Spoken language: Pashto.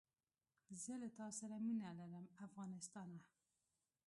زه له تاسره مینه لرم افغانستانه